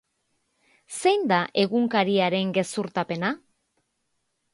Zein da egunkariaren gezurtapena?